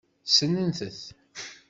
Ssnent-t.